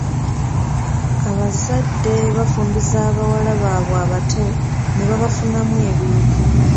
Abazadde bafumbiza bawala baabwe abato ne babafunamu ebintu.